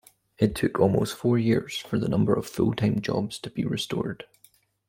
It took almost four years for the number of full-time jobs to be restored.